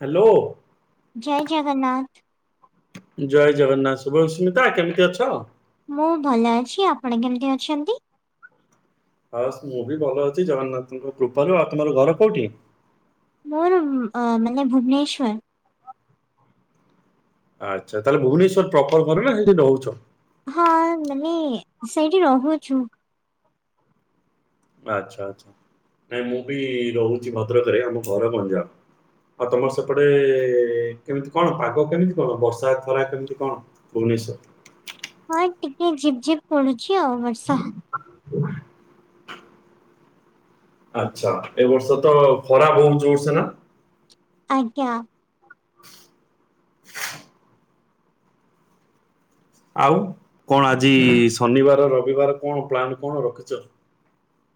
Hello ଜୟ ଜଗନ୍ନାଥ ଜୟ ଜଗନ୍ନାଥ ଶୁଭସ୍ମିତା କେମିତି ଅଛ? ମୁଁ ଭଲ ଅଛି ଆପଣ କେମିତି ଅଛନ୍ତି। ହସ୍ ମୁଁ ବି ଭଲ ଅଛି ଜଗନ୍ନାଥଙ୍କ କୃପାରୁ ଆଉ ତମର ଘର କୋଉଠି? ମୋର ମାନେ ଭୁବନେଶ୍ଵର ଆଚ୍ଛା ତାହେଲେ ଭୁବନେଶ୍ଵର ପ୍ରକଳ୍ପରେ ନା ସେଠି ରହୁଛ ହଁ ମାନେ ସେଇଠି ରହୁଛୁ ଆଚଛା ଆଚଛା ନାଇଁ ମୁଁ ବି ରହୁଛି ଭଦ୍ରକରେ ଆମ ଘର ଗଞ୍ଜାମ ଆଉ ତମର ସେପଟେ କେମିତି କଣ ପାଗ କେମିତି କଣ ବର୍ଷା ଖରା କେମିତି କଣ ବେଶ ହଁ ଟିକେ ଝିପ୍ଝିପ୍ ପଡୁଛି ଆଉ ବର୍ଷା [unintelligible] ଆଚଛା ଏ ବର୍ଷ ତ ଖରା ବହୁତ ଜୋରସ ନା ଆଜ୍ଞା। ଆଉ କଣ ଆଜି ଶନିବାର ରବିବାର କଣ ପ୍ଲାନ କଣ ରଖିଛ?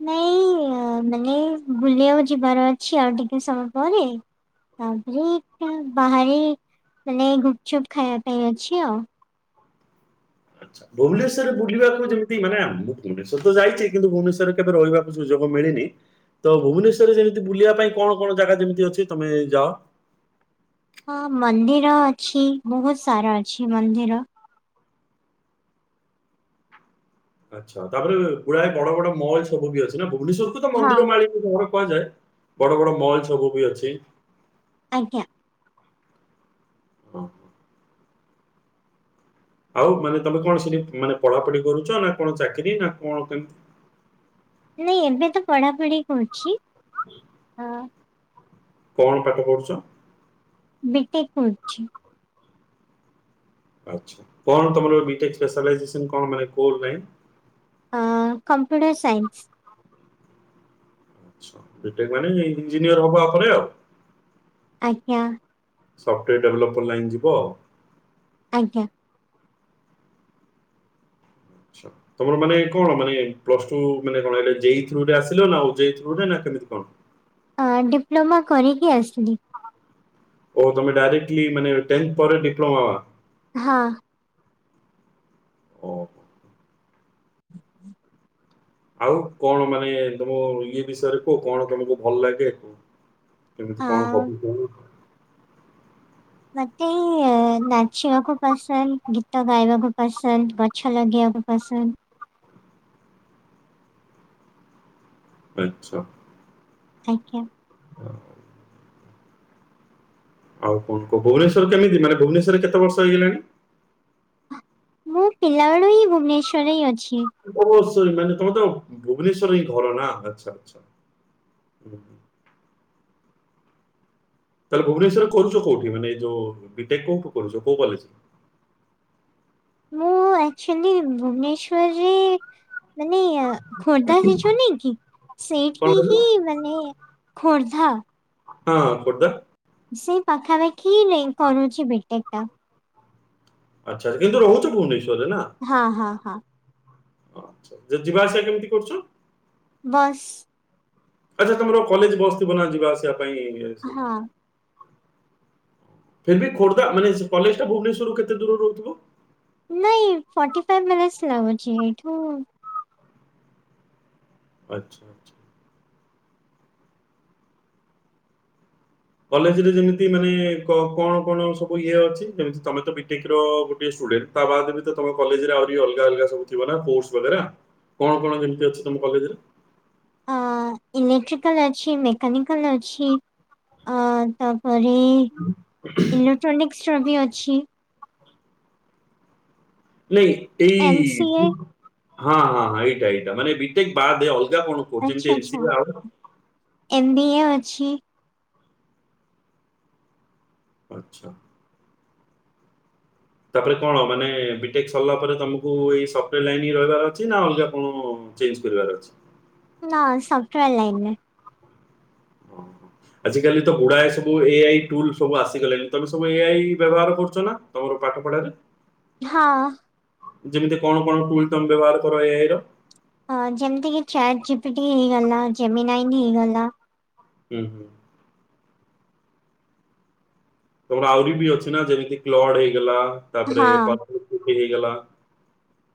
ନାଇଁ ମାନେ ବୁଲିବାକୁ ଯିବାର ଅଛି ଆଉ ଟିକେ ସମୟ ପରେ ତାପରେଟା ବାହାରାରେି ମାନେ ଗୁପଚୁପ ଖାଇବା ପାଇଁାଇ ଅଛି ଆ ଆଛା ଭୁବନେଶ୍ୱରରେ ବୁଲିବାକୁ ଯେମିତି ମାନେ ମୁଁ ଭୁବନେଶ୍ୱର ତ ଯାଇଛି କିନ୍ତୁଭୁବନେଶ୍ୱରରେ କେବେ ରହିବାକୁ ସୁଯୋଗ ମିଳିନି ତ ଭୁବନେଶ୍ଵରରେ ଯେମିତି ବୁଲିବା ପାଇଁ କଣ କଣ ଜାଗା ଯେମିତି ଅଛି ତମେ ଯାଅ [inaudible] ହଁ ମନ୍ଦିର ଅଛି ବହୁତ ସାରା ଅଛି ମନ୍ଦିର ଆଚ୍ଛା ତାପରେ ଗୁଡାଏ ବଡ ବଡ ମଲ୍ ସବୁ ବି ଅଛି ନା ଭୁବନେଶ୍ଵର କୁ ତ ହଁ ମନ୍ଦିର ମାଳ କୁହାଯାଏ ବଡ ବଡ ମଲ ସବୁ ବି ଅଛି ଆଜ୍ଞା। ଓ ହୋ ଆଉ ମାନେ ତମେ କଣ ସେଠି ମାନେ ପଢାପଢି କରୁଛ ନା କଣ ଚାକିରି ନା କଣ କେମିତି [inaudible] ନାଇ ଏବେ ତ ପଢାପଢି କରୁଛି ହଁ କଣ ପାଠ ପଢୁଛ? ବିିଟେକେ କରୁଛି ଆଛଆ କଣ ତମର ବି ଟ୍ୟାକ୍ସ ସ୍ପିସିଲ ହେଇଛି ସିମ୍ ମାନେ କୋଉ ଟାଇପ ଅ କମ୍ପ୍ୟୁଟର ସାଇନ୍ସ ଆଛା ବି ଟେକେ ମାନେ ଇଞ୍ଜିନିୟର ହବ ଆପରେ ଆଜ୍ଞା ସଫ୍ଟୱୋର ଡେଭଲପର ଲାଇନ୍ ଯିବ ଆ ଆଜ୍ଞା ଆଛା ତମର ମାନେ କଣ ମାନେ ପ୍ଲସ ଟୁ ମାନେ କଣ ଜେଇ ଥ୍ରୋ ରେ ଆସିଲ ନାଁ ମାନେ ଓଜେ ଥ୍ରୁ ନା କେ ଦ କଣ ଅ ଡିପ୍ଲୋମା କରିକି ଆସିଲି। ଓ ତମେ ଡାଇରେକ୍ଟଲି ମାନେ, ଟେନ୍ଥ ପରେ ଡିପ୍ଲୋମା ମା ହଁ ଓ ହ ହ [inaudible] ଆଉ କଣ, ମାନେ ତମ ଇଏ ବିଷୟରେ କୁହ କଣ ତମକୁ ଭଲ ଲାଗେ, କହ କେମିତି କଣ ହଁ ହବ? ମତେ ନାଚିବାକୁ ପସନ୍ଦ, ଗୀତ ଗାଇବାକୁ ପସନ୍ଦ, ଗଛ ଲଗେଇବାକୁ ଫସନ୍ଦ ଆଛା। ଆଜ୍ଞା। ହଁ [inaudible] ଆଉ କଣ କ ଭୁବନେଶ୍ଵର କେମିତି ମାନେ, ଭୁବନେଶ୍ଵରରେ କେତେ ବର୍ଷ ହେଇଗଲାଣି? ମୁଁ ପିଲାବେେଳୁ ହିଁ ଭୁବନେଶ୍ୱରରେ ହିଁ ଅଛି। ବ [unintelligible] ମାନେ ତମ ତ ଭୁବନେଶ୍ଵର ଘର ନା ଆଛା, ଆଛା। ତାହେଲେ ଭୁବନେଶ୍ଵରରେ କରୁଛ କୋଉଠି, ମାନେ ଯୋଉ ବିଟେକ କୋଉଠ କରୁଛ? କୋଉ କଲେଜ [inaudible] ମୁଁ ଆକ୍ଚୁଆଲି ଭୁବନେଶ୍ଵରରେ ନ ଖୋର୍ଦ୍ଧା ସେଛ ନାଇ କି କଣ ସେଇଠି କହିଲ ହିଁ ମାନେ ଖୋର୍ଦ୍ଧା ହଁ ପଡଦ [unintelligible] ସେଇ ପାଖାପାଖି କରୁଛି ବିଟେକ ଟା ଆଛା, କିନ୍ତୁ ରହୁଛ କେଉଁଠି? ହଁ ହଁ ହଁ ଆଛା, ଯ ଯିବା ଆସିବା କେମିତି କରୁଛ? ବସ୍ ଆଚ୍ଛା, ତମର କଲେଜ ବସ ଥିବ ନା ଯିବା ଆସିବା ପାଇଁ, ଏ ସ ହଁ ଫିର ବି ଖୋର୍ଦ୍ଧା ମାନେ, କଲେଜ ଟା ଭୁବନେଶ୍ୱରରୁୁ କେତେ ଦୂର ରହୁଥିବ? ନାଇଁ ଫର୍ଟି ଫାଇ ମିନିଟ୍ ଲାଗୁଛି, ଏଇଠୁ ଆଛା ଆଛା। କଲେଜରେ ଯେମିତି ମାନେ କଣ କଣ ସବୁ ଇଏ ଅଛି, ଯେମିତି ତମେ ତ ବିଟେକ ର ଗୋଟେ ତା ବାଦ ବି ତମ କଲେଜରେ ଅଲଗା ଅଲଗା ସବୁ ଥିବ ନା କୋର୍ସ ବଗେରା କଣ କଣ କେମିତି ଅଛି ତମ କଲେଜରେ? ଆଁ ଇଲେକ୍ଟ୍ରିକାଲ୍ ଅଛି, ମେକାନିକାଲ୍ ଅଛି, ଆଁ ତ ତାପରେ ଇଲେକ୍ଟ୍ରୋନିକ୍ସର ବି ଅଛି। ନାଇଁ ଏମ୍ ଏଇ ସି ଏ ହଁ ହଁ ହଁ ଏଇଟା ଏଇଟା ମାନେ ବି ଟେକ୍ ବାଦେ ଅଲଗା ଆଚ୍ଛା [unintelligible] କିଏ ଅଛି? ଆଚ୍ଛା! ତାପରେ କଣ ମାନେ ବି ଟେକ୍ ସରିଲା ପରେ ତମକୁ ଏଇ ସଫ୍ଟୱେର୍ ଲାଇନ୍ ରହିବାର ଅଛି ନା ଅଲଗା କଣ ଚେଞ୍ଜ୍ କରିବାର ଅଛି? ନା ସଫ୍ଟୱେର୍ ଲାଇନ୍ ରେ। ଅହଃ! ଆଜିିକାଲି ତ ଗୁଡାଏ ସବୁ ଏ ଆଇ ଟୁଲ ସବୁ ଆସିଗଲାଣି, ତମେ ସବୁ ଏ ଆଇ ବ୍ୟବହାର କରୁଛ ନା ତମର ପାଠ ପଢାରେ? ହଁ। ଯେମିତି କଣ କଣ ଟୁଲ୍ ତୁମେ ବ୍ୟବହାର କର ଏ ଆଇ ର? ହଁ ଯେମିତି କି ଚ୍ୟାଟ୍ ‌ଜିପିଟି ହେଇଗଲା, ଜେମି ନାଇନ୍‌ ହେଇଗଲା। ହୁଁ ହୁଁ। ତମର ଆହୁରି ବି ଅଛି ନା ଯେମିତି କ୍ଲଡ୍ ହେଇଗଲା ତାପରେ ହଁ [unintelligible] ହେଇଗଲା।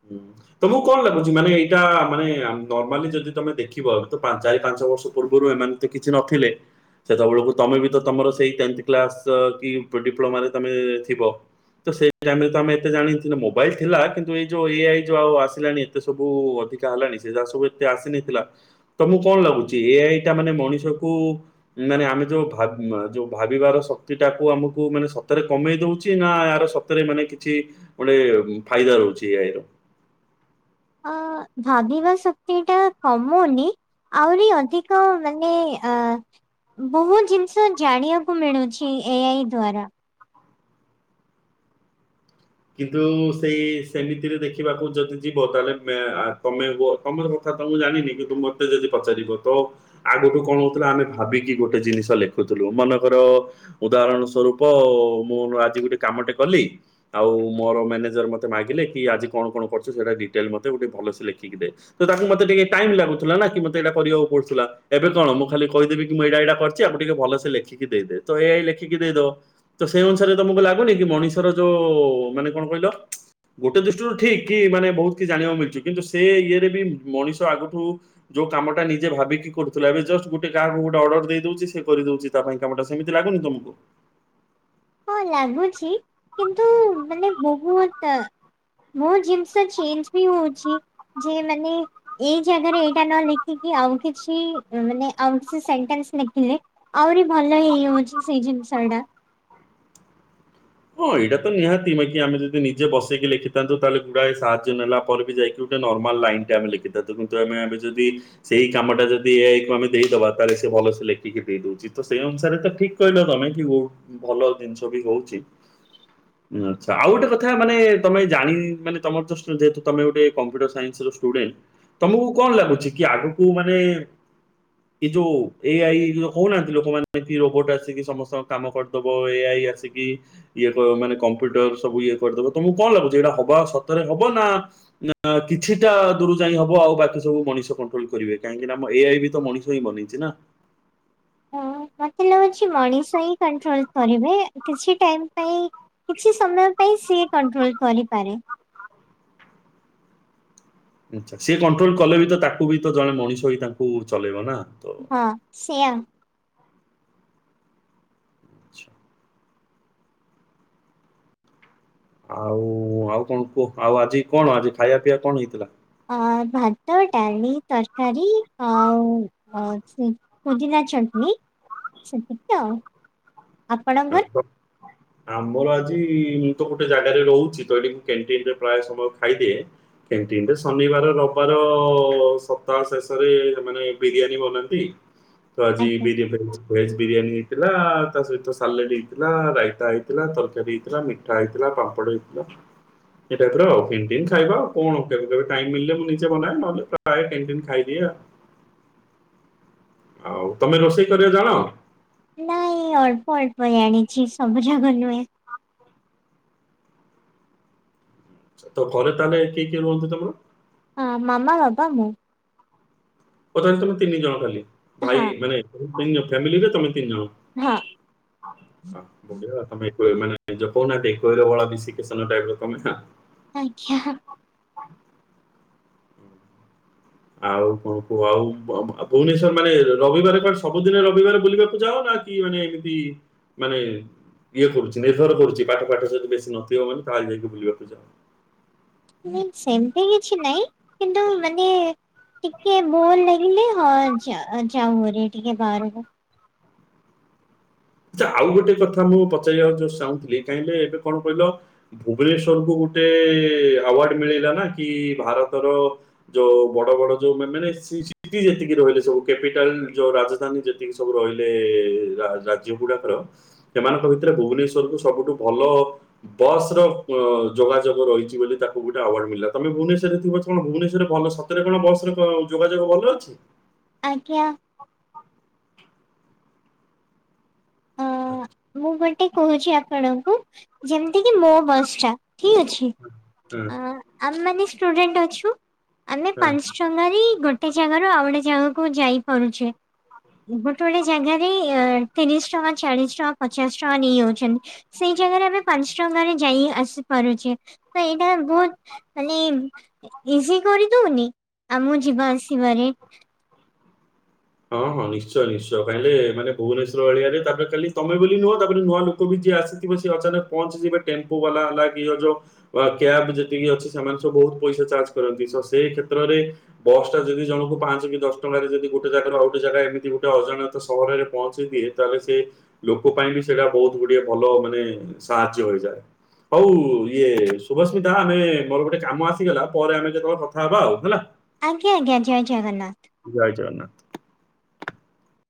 ହୁଁ ତମକୁ କଣ ଲାଗୁଚି ମାନେ ଏଇଟା ମାନେ ଆମ-ନର୍ମାଲି ଯଦି ତମେ ଦେଖିବ ତ ପାନ୍-ଚାରି ପାଞ୍ଚ ବର୍ଷ ପୂର୍ବରୁ ଏମାନେ ତ କିଛି ନଥିଲେ ସେତେବେଳକୁ ତମେ ବି ତମର ସେଇ ଟେନ୍ଥ୍ କ୍ଲାସ୍ ତ କି ଡିପ୍ଲୋମାରେ ତମେ ଥିବ। ତ ସେଇ ଟାଇମରେ ତ ଆମେ ଏତେ ଜାଣିନଥିଲେ ମୋବାଇଲ ଥିଲା କିନ୍ତୁ ଏଇ ଯୋଉ ଏ ଆଇ ଯୋଉ ଆସିଲାଣି ଏତେ ସବୁ ଅଧିକା ହେଲାଣି ସେ ଯାହା ସବୁ ଏତେ ଆସିନେଥିଲା ତମୁକୁ କଣ ଲାଗୁଚି ଏ ଆଇଟା ମାନେ ମଣିଷକୁ ମାନେ ଆମେ ଯୋଉ ଭା-ଉମ-ଯୋଉ ଭାବିବାର ଶକ୍ କ୍ତିଟାକୁ ଆମକୁ ମାନେ ସତରେ କମେଇ ଦୋଉଚି ନା ଏହାର ସତରେ ମାନେ କିଛି ଗୋଟେ ଫାଇଦା ର ହୁଚି ଏ ଆଇର। ଅ ଭାବିବା ଶକ୍ତିଟା କମୁନି ଆହୁରି ଅଧିକ ମାନେ ଅ ବୋହୁତ ଜିନିଷ ଜାଣିବାକୁ ମିଳୁଛି ଏ ଆଇ ଦ୍ଵାରା। କିନ୍ତୁ ସେଇ ସେମିତିରେ ଦେଖିବାକୁ ଯଦି ଯିବ ତାହେଲେ ମେ-ଆ-ତମେ ହୁଅ ତମେ କଥା ଥା ତ ମୁଁ ଜାଣିନି କିନ୍ତୁ ମତେ ଯଦି ପଚାରିବ ତ ଆଗକୁ କଣ ହୋଉଥିଲା ଆମେ ଭାବିକି ଗୋଟେ ଜିନିଷ ଲେଖୁ ଥୁଲୁ ମନେକର ଉଦାହରଣ ସ୍ୱରୂପ ମୁଁ ଆଜି ଗୋଟେ କାମଟେ କଲି ଆଉ ମୋର ମ୍ୟାନେଜର୍ ମତେ ମାଗିଲେ କି ଆଜି କଣ କଣ କରଚୁ ସେଟା ଡିଟେଲ୍ ମତେ ଗୋଟେ ଭଲସେ ଲେଖିକି ଦେ ହୁଏତ ମତେ ଟିକେ ଟାଇମ୍ ଲାଗୁଥୁଲା ନା କି ମତେ ଏଇଟା କରିବାକୁ ପଡୁଥୁଲା ଏବେ କଣ ମୁଁ ଖାଲି କହିଦେବି କି ମୁଁ ଏଇଟା ଏଇଟା କରଚି ୟାକୁ ଟିକେ ଭଲସେ ଲେଖିକି ଦେଇଦେ ତ ଏ ଆଇ ଲେଖିକି ଦେଇଦବ ତ ସେଇ ଅନୁସାରେ ତମକୁ ଲାଗୁନି କି ମଣିଷର ଯୋଉ ଓ ମାନେ କଣ କହିଲ? ଗୋଟେ ଦୃଷ୍ଟିରୁ ଠିକ କି ମାନେ ବୋହୁତ କିଛି ଜାଣିବାକୁ ମିଳୁଚ କିନ୍ତୁ ସେ ଇଏରେ ବି ମଣିଷ ଆଗଠୁ ଯୋଉ କାମଟା ନିଜେ ଭାବିକି କରୁଥୁଲା ଏବେ ଜଷ୍ଟ ଗୋଟେ କାହାକୁ ଗୋଟେ ଅର୍ଡର୍ ଦେଇଦୋଉଚି ସେ କରିଦୋଉଚି ତା ପାଇଁ କାମଟା ସେମିତି ଲାଗୁନି ତମକୁ? ହଁ ଲାଗୁଛି କିନ୍ତୁ ମାନେ ବୋହୁତ ଟା ବୋହୁତ ଜିନିଷ ଚେଞ୍ଜ୍ ବି ହୋଉଚି ଯେ ମାନେ ଏଇ ଜାଗାରେ ଏଇଟା ନ ଲେଖିକି ଆଉ କିଛି ମାନେ ଆଉ କିଛି ସେଣ୍ଟେନ୍ସ ଲେଖିଲେ ଆହୁରି ଭଲ ହେଇଯାଉଚି ସେଇ ଜିନ୍ ଛଡ଼ା ହଁ ଏଇଟା ତ ନିହାତି ବାକି ଆମେ ଯଦି ନିଜେ ବସକି ଲେଖିଥାନ୍ତୁ ତାହେଲେ ଗୁଡାଏ ସାହାଯ୍ୟ ନେଲା ପରେ ବି ଯାଇକି ଗୋଟେ ନର୍ମାଲ ଲାଇନଟା ଆମେ ଲେଖିଥାଉ ତାକୁ ତ ଆମେ ଏବେ ଯଦି ସେଇ କାମଟା ଯଦି ଏ ଆଇକୁ ଆମେ ଦେଇଦବା ତାହେଲେ ସେ ଭ ଭଲସେ ଲେଖିକି ଦେଇ ଦୋଉଚି ତ ସେଇ ଅନୁସାରେ ତ ଠିକ୍ କହିଲ ତମେ କି ହୋଉ ଭଲ ଜିନଷ ବି ହୋଉଚି। ଉଁ ଆଛା ଆଉ ଗୋଟେ କଥା ମାନେ ତମେ ଜାଣି-ମାନେ ତମର ଜଷ୍ଟ ଯେହେତୁ ତମେ ଗୋଟେ କମ୍ପ୍ୟୁଟର ସାଇନ୍ସର ଷ୍ଟୁ ଡେଣ୍ଟ ତମକୁ କଣ ଲାଗୁଛି କି ଆଗକୁ ମାନେ ଏଇ ଯୋଉ ଏ ଆଇ ଯୋଉ କୋହୁନାହାନ୍ତି ଲୋକମାନେ କି ରୋବୋଟ୍ ଆସିକି ସମସ୍ତଙ୍କ କାମ କରିଦବ ଏ ଆଇ କିଏ ଆସିକି ଇଏ କ-ମାନେ କମ୍ପ୍ୟୁଟର ସବୁ ଇଏ କରିଦବ ତମକୁ କଣ ଲାଗୁଚି ଏଇଟା ହବ ସତରେ ହବ ନା ନା କି କିଛିଟା ଦୂରୁ ଯାଏଁ ହବ ଆଉ ବାକି ସବୁ ମଣିଷ କଣ୍ଟରୋଲ୍ କରିବେ କାହିଁକି ନା ଆମ ଏ ଆଇ ବି ତ ମଣିଷ ହିଁ ବନେଇଚି ନା। [unintelligible] ହଁ, ମତେ ଲାଗୁଛି ମଣିଷ ହିଁ କଣ୍ଟରୋଲ୍ କରିବେ କିଛି ଟାଇମ୍ ପାଇଁ କିଛି ସମୟ ପାଇଁ ସିଏ କଣ୍ଟରୋଲ୍ କରିପାରେ। ଆଚ୍ଛା ସିଏ କଣ୍ଟରୋଲ କଲେ ବି ତ ତାକୁ ବି ତ ଜଣେ ମଣିଷ ବି ତାଙ୍କୁ ଚଲେଇବ ନା। ତ ହଁ ସେୟା। ଆଛା। ଆଉ ଆଉ କଣ କୁହ ଆଉ ଆଜି କଣ ଆଜି ଖାଇବା ପିଇବା କଣ ହେଇଥିଲା? ଅଁ-ଭାତ, ଡାଲି, ତରକାରୀ, ଆଉ ଅଁ-ସେେ ପୁଦିନା ଚଟନି ସେତିକି ତ ଆଉ। ଆପଣଙ୍କର ଭାତ ଆମର ଆ ଜି ମୁଁ ତ ଗୋଟେ ଜାଗାରେ ରହୁଚି ତ ଏଠି ମୁଁ କ୍ୟାଣ୍ଟିନରେ ପ୍ରାୟ ସମୟ ଖାଇଦିଏ କ୍ୟାଣ୍ଟିନ‌ରେ ଶନି ବାର ରବିବାର ସପ୍ତାହ ଶେଷରେ ମାନେ ବିରିୟାନୀ ବନାନ୍ତି। ତ ଆଜି ଆଜ୍ଞା, ବିରିୟାନୀ ଭେଜ-ଭେଜ ବିରିୟାନୀ ହେଇଥିଲା ତା ସହିତ ସା ସାଲେଡ଼ ହେଇଥିଲା, ରାଇତା ହେଇଥିଲା, ତରକାରୀ ହେଇଥିଲା, ମିଠା ହେଇଥିଲା, ପାମ୍ପଡ଼ ହେଇଥିଲା। ଏ ଟପ ଆଉଣ୍ଟି ଖାଇବା ଆଉ କଣ କେବେ ଟାଇିଲେ ମୁଁ ନିଜେ ବନାଏ ନହେଲେ ପ୍ରାୟ ଖାଇଦିଏ। ଆଉ ତମେ ରୋଷେଇ କରିବା ଜାଣ? ନାଇଁ ଅଳ୍ପ ଅଳ୍ପ ଜାଣିଛି ସବୁ ଜାକ ନୁହେଁ। ଘରେ ତାହେଲେ କିଏ ରୁହନ୍ତି ତୁମର? ହଁ ମାମା ବାବା ମୁଁ। ତଥାପି ତମେ ତିନି ଜଣ ଖାଲି ହଁ ଭାଇ ମାନେ ଫାମିଲିରେ ତମେ ତିନ ଜଣ ହଁ [unintelligible] ବଢିଆ ଆଉ। ମାନେ ଜପଉନାହାନ୍ତି କୋଇର ବ ତମେ ନା। ଆଜ୍ଞା। ଆଉ କଣ କୁହ ଆଉ ଭୁବନେଶ୍ଵର ମାନେ ରବିବାର କଣ ସବୁଦିନ ରବିବାର ବୁଲିବାକୁ ଯାଅ ନା କି ମାନେ ଏମିତି ମାନେ ଇଏ କରୁଛି ନିର୍ଭର କରୁଛି ପାଠ ପାଠ ଯଦି ବେଶୀ ନଥିବ ମାନେ ତାହେଲେ ଯାଇକି ବୁଲିବାକୁ ଯାଅ। ସେମିତି କିଛି ନାଇଁ କିନ୍ତୁ ମାନେ ଟିକେ ବୋଲ ଲଗିଲ ହ ଯା ର ଟିକେ ବାହାର କୁ। ଆଉ ଗୋଟେ କଥା ମୁଁ ପଚାରିବାକୁ ଚାହୁଁଥିଲି ଯେଏବେ କଣ କହିଲ ଭୁବନେଶ୍ଵର କୁ ଗୋଟେ ଅୱାର୍ଡ ମିଲିଲାନା କି ଭାରତ ର ଯୋଉ ବଡ଼ ବଡ଼ ଯୋଉ ମାନେ ସିଟି ଯେତିକି ରହିଲେ ସବୁ କ୍ୟାପିଟାଲ ଯୋଉ ରାଜଧାନୀ ଯେତିକି ସବୁ ରହିଲେ ରା ସେମାନଙ୍କ ଭିତରେ ଭୁବନେଶ୍ୱର ସବୁଠୁ ଭଲ ବସ୍ ର ଯୋଗାଯୋଗ ରହିଛି ବୋଲି ତାକୁ ଗୋଟିଏ ଅୱାର୍ଡ ମିଳିଲା ତମେ ଭୁବନେଶ୍ୱରରେ ଥିବ ତମ ଭୁବନେଶ୍ୱର ଭଲ ସତରେ କଣ ବସ ରେ ଯୋଗାଯୋଗ ଭଲ ଅଛି। ଆଜ୍ଞା। ଅ ମୁଁ ଗୋଟେ କହୁଛି ଆପଣଙ୍କୁ ଯେମିତି କିି ମୋ ବସ୍ଟା ଠିକ ଅଛି ହଁ ଆମେ ମାନ ଷ୍ଟୁଡେଣ୍ଟ ଅଛୁ ଆମେ ହଁ ପାଞ୍ଚ ଟଙ୍ଗାରେ ଗୋଟେ ଜାଗାରୁ ଆଉ ଗୋଟେ ଜାଗାକୁ ଯାଇପାରୁଛେ। ଗୋଟେ ଗୋଟ ଜାଗାରେ ତତିରିଶ ଟଙ୍କା ଚାଳିଶ ଟଙ୍କା ପଚାଶ ଟଙ୍କା ନେଇଯାଉଛନ୍ତି ସେଇ ଜାଗାରେ ଆମେ ପାଞ୍ଚ ଟଙ୍କା ରେ ଯାଇ ଆସିପାରୁଛେ। ତ ଏଇଟା ବହୁତ ମାନେ ଇଜି କରିଦଉନି। ଆଉ ମୁଁ ଯିବା ଆସିବାରେ ହଁ ହଁ ନିଶ୍ଚୟ ନିଶ୍ଚୟ କାଁଲେ ମାନ ଭୁବନେସ୍ୱର ଏରିଆ ରେ ତାପରେ କାଲି ତମେ ବୋଲି ନୁହଁ ତାପରେ ନୂଆ ଲୋକ ବି ଆସିଥିବ ସେ ଅଚାନକ ପହଞ୍ଚିଯିବେ ଟେମ୍ପୋ ବାଲା ହେଲା କି ଯୋଉ କ୍ୟାବ ଯେତିକି ଅଛି ସେମାନେ ସବୁ ପଇସା ଚାର୍ଜ କରନ୍ତି ସେ କ୍ଷେତ୍ର ରେ ବସ ଟା ଯଦି ଜଣ ପାଞ୍ଚ ଦ ଟଙ୍କ ଗୋଟେ ଜାଗ ର ଆ ଗଟେ ଜାଗା ଏମିତି ଗୋଟେ ଅଜାଣ ସହରରେ ପହଞ୍ଚି ଦିଏ ତାହେଲେ ସେ ଲୋକ ପାଇଁ ବି ସେଇଟା ବହୁତ ଗୋଟେ ଭଲ ଲୋକ ମାନେ ସାହାଯ୍ୟ ହୋଇଯାଏ। ହଉ ଇଏ ଶଭସ୍ମିତା ଆମେ ମୋର ଗୋଟେ କାମ ଆସିଗଲା ପରେ ଆମେ ଯେତେବେଳେ କଥା ହେବା ଆଉ ହେଲା। ଆଜ୍ଞା, ଆଜ୍ଞା ଜୟ ଜଗନ୍ନାଥ। ଜୟ ଜଗନ୍ନାଥ।